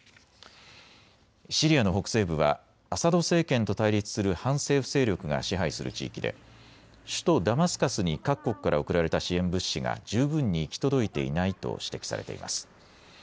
シリアの北西部はアサド政権と対立する反政府勢力が支配する地域で首都ダマスカスに各国から送られた支援物資が十分に行き届いていないと指摘されています。